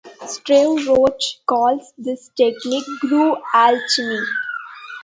Steve Roach calls this technique Groove Alchemy.